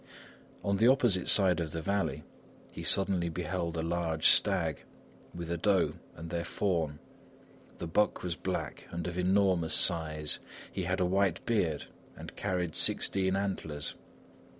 On the opposite side of the valley, he suddenly beheld a large stag, with a doe and their fawn. The buck was black and of enormous size; he had a white beard and carried sixteen antlers.